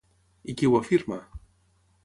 I qui ho afirma?